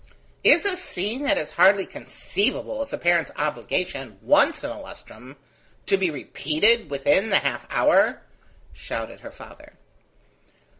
"Is a scene that is hardly conceivable as a parent's obligation once in a lustrum, to be repeated within the half hour?" shouted her father.